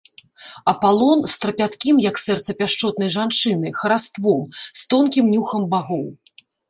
Апалон, з трапяткім, як сэрца пяшчотнай жанчыны, хараством, з тонкім нюхам багоў!